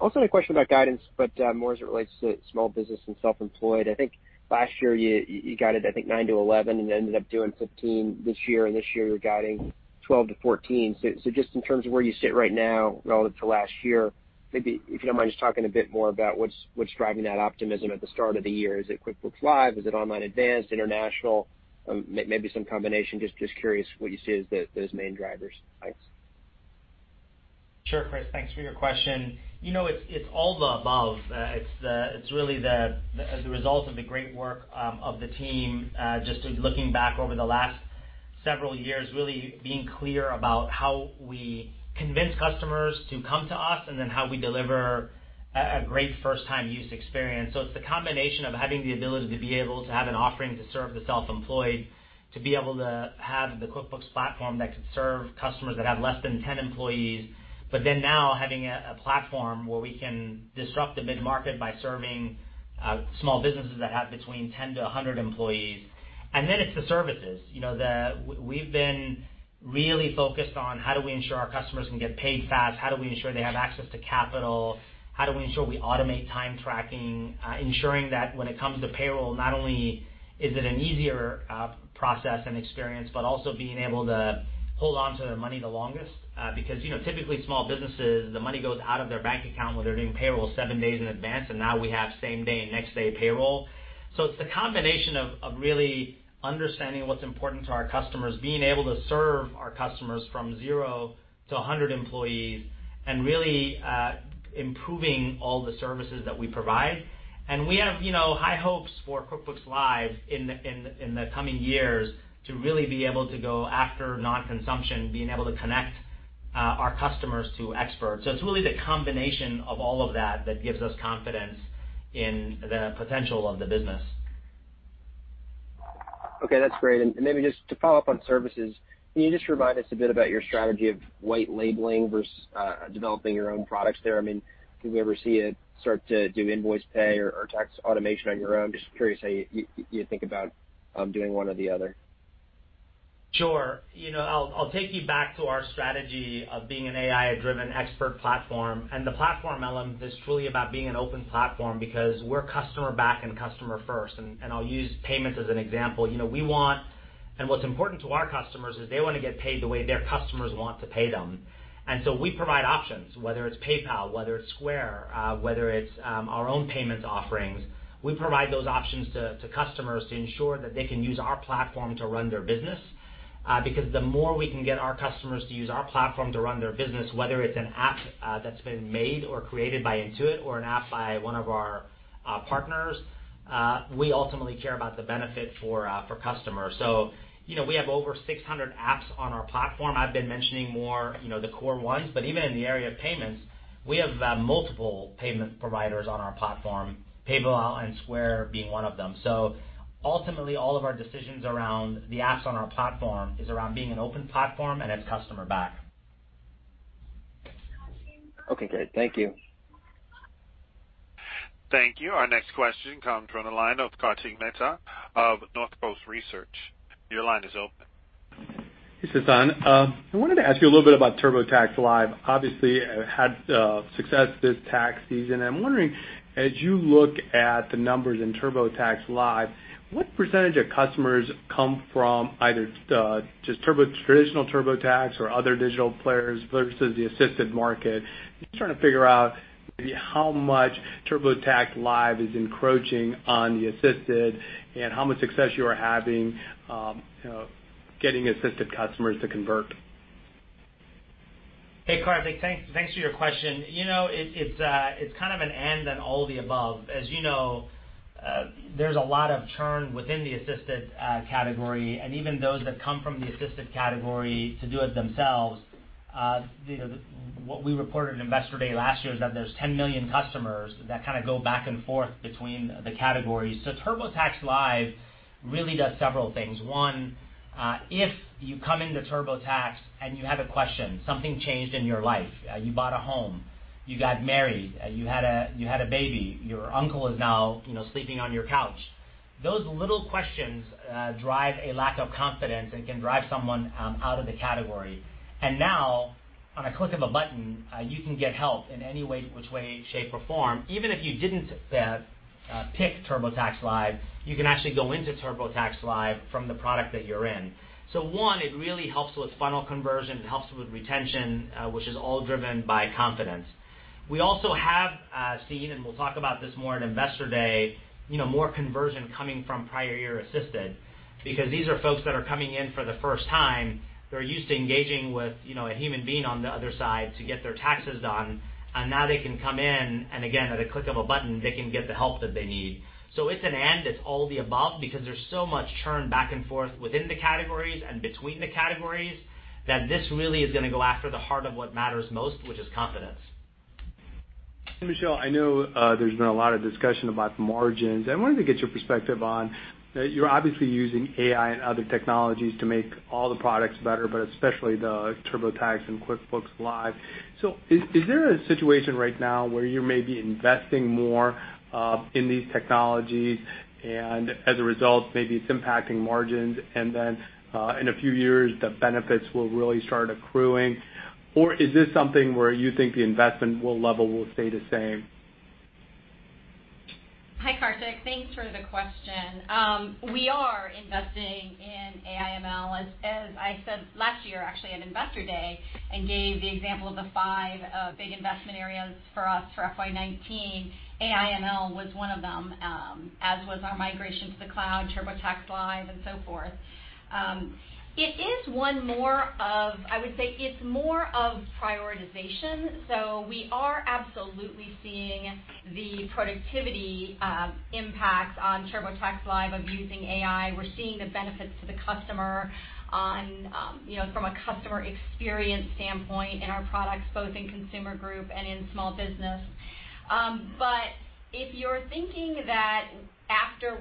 Also had a question about guidance, but more as it relates to small business and self-employed. I think last year you guided, I think, 9%-11%, and then ended up doing 15% this year, and this year you're guiding 12%-14%. Just in terms of where you sit right now relative to last year, maybe if you don't mind just talking a bit more about what's driving that optimism at the start of the year. Is it QuickBooks Live? Is it Online Advanced, International? Maybe some combination. Just curious what you see as those main drivers. Thanks. Sure, Chris. Thanks for your question. It's all the above. It's really the result of the great work of the team, just looking back over the last several years, really being clear about how we convince customers to come to us and then how we deliver a great first-time use experience. It's the combination of having the ability to be able to have an offering to serve the self-employed, to be able to have the QuickBooks platform that could serve customers that have less than 10 employees. Now having a platform where we can disrupt the mid-market by serving small businesses that have between 10 to 100 employees. It's the services. We've been really focused on how do we ensure our customers can get paid fast? How do we ensure they have access to capital? How do we ensure we automate time tracking, ensuring that when it comes to payroll, not only is it an easier process and experience, but also being able to hold onto their money the longest. Typically small businesses, the money goes out of their bank account when they're doing payroll seven days in advance, and now we have same day and next day payroll. It's the combination of really understanding what's important to our customers, being able to serve our customers from zero to 100 employees. Really improving all the services that we provide. We have high hopes for QuickBooks Live in the coming years to really be able to go after non-consumption, being able to connect our customers to experts. It's really the combination of all of that that gives us confidence in the potential of the business. Okay, that's great. Maybe just to follow up on services, can you just remind us a bit about your strategy of white labeling versus developing your own products there? Do we ever see it start to do invoice pay or tax automation on your own? Just curious how you think about doing one or the other. Sure. I'll take you back to our strategy of being an AI-driven expert platform. The platform, platform, is truly about being an open platform because we're customer-backed and customer first. I'll use payments as an example. What's important to our customers is they want to get paid the way their customers want to pay them. We provide options, whether it's PayPal, whether it's Square, whether it's our own payments offerings. We provide those options to customers to ensure that they can use our platform to run their business. Because the more we can get our customers to use our platform to run their business, whether it's an app that's been made or created by Intuit or an app by one of our partners, we ultimately care about the benefit for customers. We have over 600 apps on our platform. I've been mentioning more the core ones. Even in the area of payments, we have multiple payment providers on our platform, PayPal and Square being one of them. Ultimately, all of our decisions around the apps on our platform is around being an open platform, and it's customer-backed. Okay, great. Thank you. Thank you. Our next question comes from the line of Kartik Mehta of Northcoast Research. Your line is open. Hey, Sasan. I wanted to ask you a little bit about TurboTax Live. Obviously, had success this tax season. I'm wondering, as you look at the numbers in TurboTax Live, what % of customers come from either just traditional TurboTax or other digital players versus the assisted market? Just trying to figure out maybe how much TurboTax Live is encroaching on the assisted, and how much success you are having getting assisted customers to convert. Hey, Kartik. Thanks for your question. It's kind of an and then all of the above. As you know, there's a lot of churn within the assisted category, and even those that come from the assisted category to do it themselves. What we reported in Investor Day last year is that there's 10 million customers that kind of go back and forth between the categories. TurboTax Live really does several things. One, if you come into TurboTax and you have a question, something changed in your life, you bought a home, you got married, you had a baby, your uncle is now sleeping on your couch. Those little questions drive a lack of confidence and can drive someone out of the category. Now, on a click of a button, you can get help in any way, which way, shape, or form. Even if you didn't pick TurboTax Live, you can actually go into TurboTax Live from the product that you're in. One, it really helps with funnel conversion. It helps with retention, which is all driven by confidence. We also have seen, and we'll talk about this more at Investor Day, more conversion coming from prior year assisted, because these are folks that are coming in for the first time. They're used to engaging with a human being on the other side to get their taxes done, and now they can come in, and again, at a click of a button, they can get the help that they need. It's an and, it's all of the above, because there's so much churn back and forth within the categories and between the categories that this really is going to go after the heart of what matters most, which is confidence. Michelle, I know there's been a lot of discussion about margins. I wanted to get your perspective on, you're obviously using AI and other technologies to make all the products better, but especially the TurboTax and QuickBooks Live. Is there a situation right now where you may be investing more in these technologies and as a result, maybe it's impacting margins, and then in a few years, the benefits will really start accruing? Is this something where you think the investment level will stay the same? Hi, Kartik. Thanks for the question. We are investing in AI/ML. As I said last year, actually, at Investor Day and gave the example of the five big investment areas for us for FY 2019, AI/ML was one of them, as was our migration to the cloud, TurboTax Live, and so forth. I would say it's more of prioritization. We are absolutely seeing the productivity impacts on TurboTax Live of using AI. We're seeing the benefits to the customer from a customer experience standpoint in our products, both in Consumer Group and in Small Business. If you're thinking that after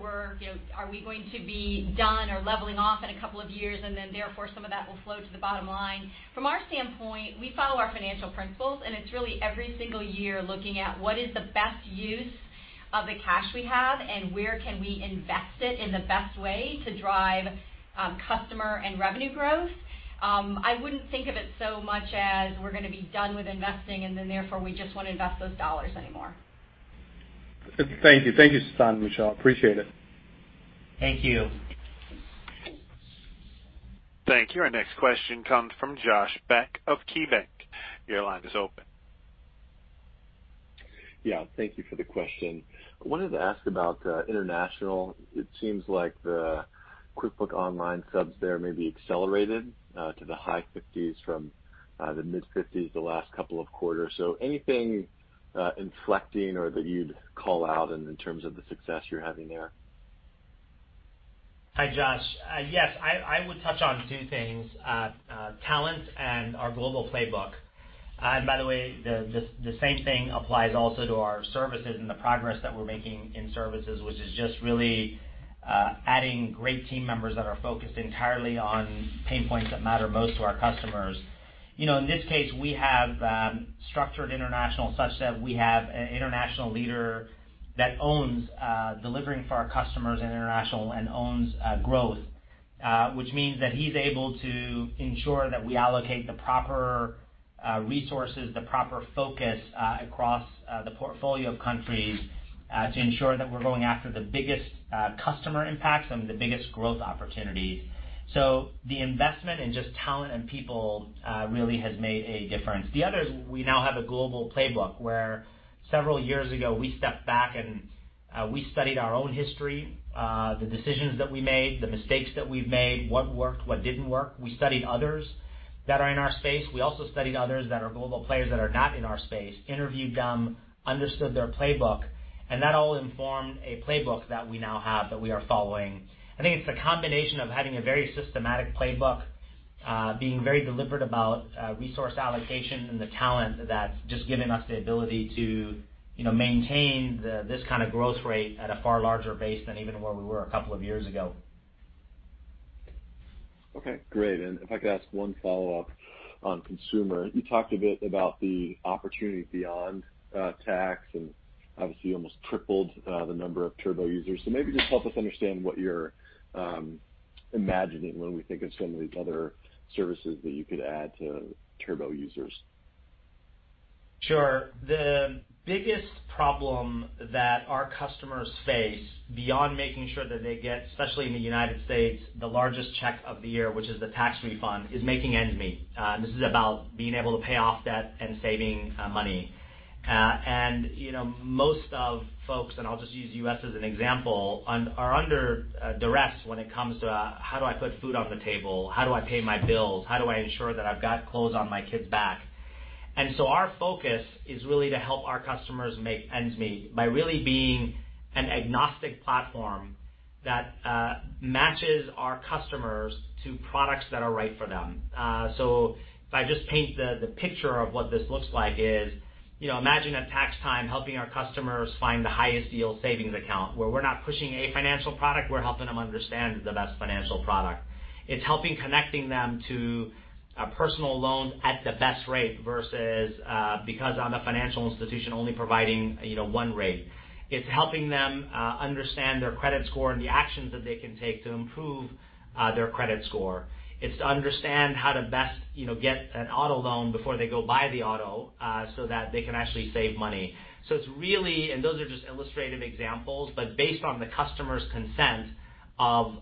are we going to be done or leveling off in a couple of years and then therefore some of that will flow to the bottom line? From our standpoint, we follow our financial principles, and it's really every single year looking at what is the best use of the cash we have and where can we invest it in the best way to drive customer and revenue growth. I wouldn't think of it so much as we're going to be done with investing, and then therefore, we just want to invest those dollars anymore. Thank you. Thank you, Sasan, Michelle, appreciate it. Thank you. Thank you. Our next question comes from Josh Beck of KeyBanc. Your line is open. Yeah. Thank you for the question. I wanted to ask about international. It seems like the QuickBooks Online subs there may be accelerated to the high 50s from the mid 50s the last couple of quarters. Anything inflecting or that you'd call out in terms of the success you're having there? Hi, Josh. Yes, I would touch on two things, talent and our global playbook. By the way, the same thing applies also to our services and the progress that we're making in services, which is just really adding great team members that are focused entirely on pain points that matter most to our customers. In this case, we have structured international such that we have an international leader that owns delivering for our customers in international and owns growth, which means that he's able to ensure that we allocate the proper resources, the proper focus, across the portfolio of countries to ensure that we're going after the biggest customer impacts and the biggest growth opportunities. So the investment in just talent and people really has made a difference. The other is we now have a global playbook where several years ago we stepped back and we studied our own history, the decisions that we made, the mistakes that we've made, what worked, what didn't work. We studied others that are in our space. We also studied others that are global players that are not in our space, interviewed them, understood their playbook. That all informed a playbook that we now have that we are following. I think it's a combination of having a very systematic playbook, being very deliberate about resource allocation and the talent that's just given us the ability to maintain this kind of growth rate at a far larger base than even where we were a couple of years ago. Okay, great. If I could ask one follow-up on consumer. You talked a bit about the opportunity beyond tax, and obviously you almost tripled the number of Turbo users. Maybe just help us understand what you're imagining when we think of some of these other services that you could add to Turbo users. Sure. The biggest problem that our customers face beyond making sure that they get, especially in the U.S., the largest check of the year, which is the tax refund, is making ends meet. This is about being able to pay off debt and saving money. Most of folks, and I'll just use U.S. as an example, are under duress when it comes to how do I put food on the table? How do I pay my bills? How do I ensure that I've got clothes on my kids' back? Our focus is really to help our customers make ends meet by really being an agnostic platform that matches our customers to products that are right for them. If I just paint the picture of what this looks like is, imagine at tax time helping our customers find the highest yield savings account where we're not pushing a financial product, we're helping them understand the best financial product. It's helping connecting them to a personal loan at the best rate versus, because I'm a financial institution only providing one rate. It's helping them understand their credit score and the actions that they can take to improve their credit score. It's to understand how to best get an auto loan before they go buy the auto, so that they can actually save money. It's really, and those are just illustrative examples, but based on the customer's consent of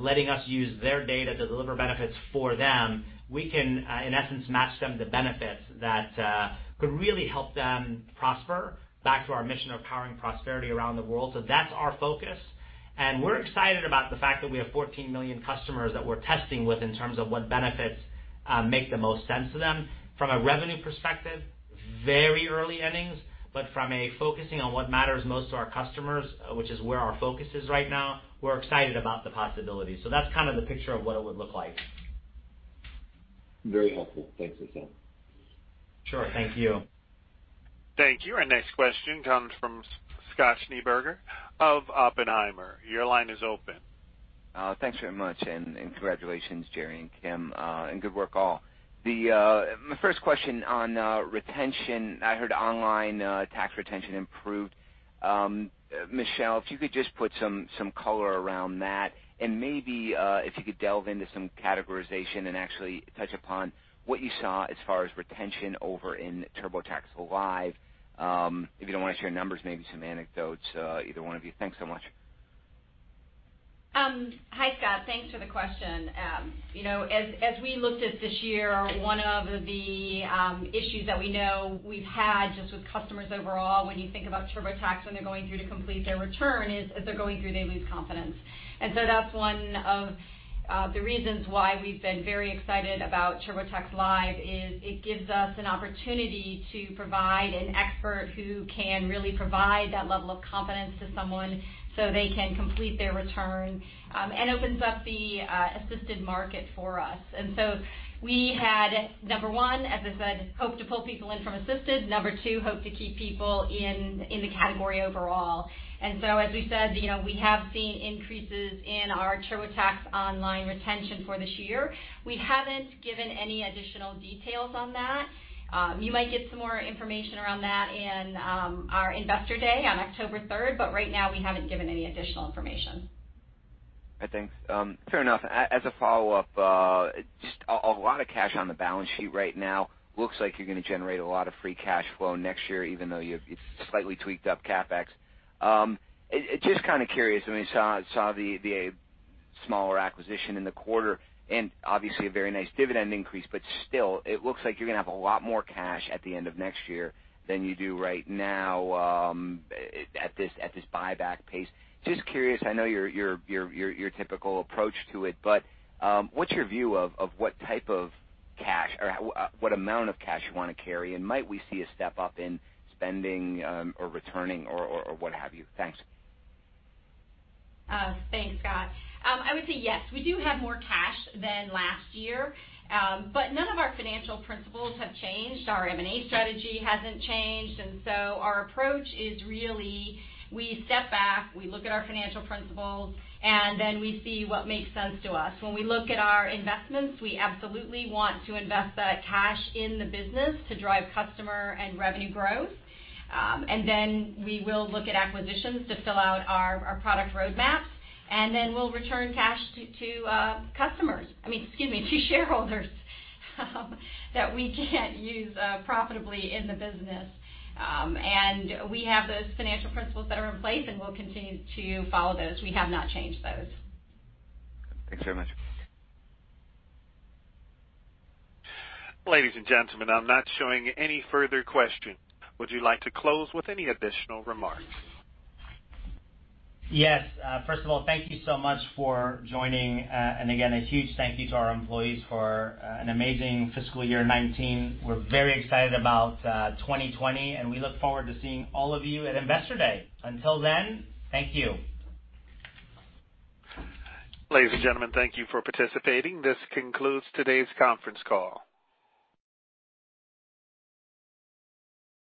letting us use their data to deliver benefits for them, we can, in essence, match them to benefits that could really help them prosper, back to our mission of powering prosperity around the world. That's our focus, and we're excited about the fact that we have 14 million customers that we're testing with in terms of what benefits make the most sense to them. From a revenue perspective, very early innings, but from a focusing on what matters most to our customers, which is where our focus is right now, we're excited about the possibilities. That's kind of the picture of what it would look like. Very helpful. Thanks, Sasan. Sure. Thank you. Thank you. Our next question comes from Scott Schneeberger of Oppenheimer. Your line is open. Thanks very much. Congratulations, Jerry and Kim, and good work all. My first question on retention, I heard online tax retention improved. Michelle, if you could just put some color around that and maybe if you could delve into some categorization and actually touch upon what you saw as far as retention over in TurboTax Live. If you don't want to share numbers, maybe some anecdotes, either one of you. Thanks so much. Hi, Scott. Thanks for the question. We looked at this year, one of the issues that we know we've had just with customers overall, when you think about TurboTax, when they're going through to complete their return, is as they're going through, they lose confidence. That's one of the reasons why we've been very excited about TurboTax Live, is it gives us an opportunity to provide an expert who can really provide that level of confidence to someone so they can complete their return, and opens up the assisted market for us. We had, number one, as I said, hope to pull people in from assisted. Number two, hope to keep people in the category overall. As we said, we have seen increases in our TurboTax Online retention for this year. We haven't given any additional details on that. You might get some more information around that in our Investor Day on October 3rd, but right now we haven't given any additional information. Fair enough. As a follow-up, just a lot of cash on the balance sheet right now. Looks like you're going to generate a lot of free cash flow next year, even though you've slightly tweaked up CapEx. Just kind of curious, we saw the smaller acquisition in the quarter and obviously a very nice dividend increase, but still, it looks like you're going to have a lot more cash at the end of next year than you do right now at this buyback pace. Just curious, I know your typical approach to it, but what's your view of what type of cash or what amount of cash you want to carry, and might we see a step-up in spending or returning or what have you? Thanks. Thanks, Scott. I would say yes. We do have more cash than last year. None of our financial principles have changed. Our M&A strategy hasn't changed, and so our approach is really, we step back, we look at our financial principles, and then we see what makes sense to us. When we look at our investments, we absolutely want to invest the cash in the business to drive customer and revenue growth. Then we will look at acquisitions to fill out our product roadmaps, and then we'll return cash to customers, excuse me, to shareholders that we can't use profitably in the business. We have those financial principles that are in place, and we'll continue to follow those. We have not changed those. Thanks very much. Ladies and gentlemen, I'm not showing any further questions. Would you like to close with any additional remarks? Yes. First of all, thank you so much for joining, and again, a huge thank you to our employees for an amazing fiscal year 2019. We're very excited about 2020, and we look forward to seeing all of you at Investor Day. Until then, thank you. Ladies and gentlemen, thank you for participating. This concludes today's conference call.